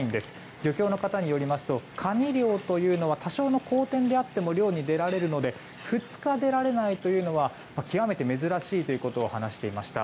漁協の方によりますとカニ漁というのは多少の荒天であっても漁に出られるので２日、出られないというのは極めて珍しいということを話していました。